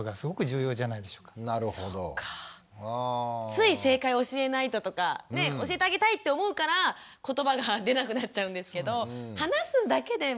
つい正解を教えないととか教えてあげたいって思うから言葉が出なくなっちゃうんですけど